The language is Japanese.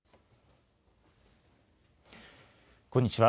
こんにちは。